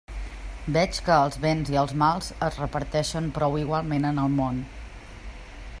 Veig que els béns i els mals es reparteixen prou igualment en el món.